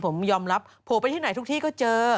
ผมยอมรับโผล่ไปที่ไหนทุกที่ก็เจอ